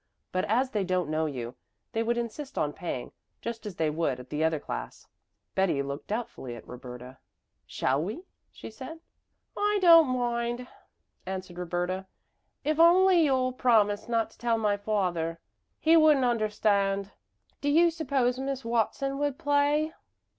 But as they don't know you, they would insist on paying, just as they would at the other class." Betty looked doubtfully at Roberta. "Shall we?" she said. "I don't mind," answered Roberta, "if only you all promise not to tell my father. He wouldn't understand. Do you suppose Miss Watson would play?"